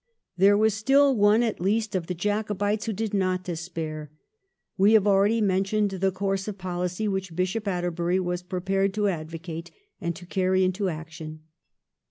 There was still one at least of the Jacobites who did not despair. We have already mentioned the course of policy which Bishop Atterbury was prepared to advocate and to carry into action.